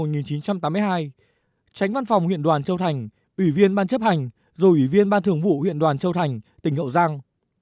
tránh văn phòng huyện đoàn châu thành ủy viên ban chấp hành rồi ủy viên ban thường vụ huyện đoàn châu thành tỉnh hậu giang